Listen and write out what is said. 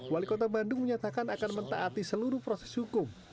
wali kota bandung menyatakan akan mentaati seluruh proses hukum